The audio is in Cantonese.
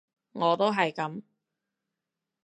我都係噉